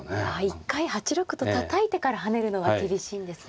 一回８六とたたいてから跳ねるのが厳しいんですね。